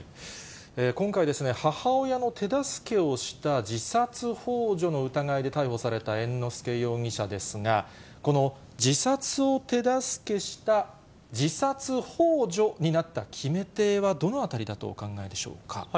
今回、母親の手助けをした自殺ほう助の疑いで逮捕された猿之助容疑者ですが、この自殺を手助けした、自殺ほう助になった決め手はどのあたりだとお考えでしょうか。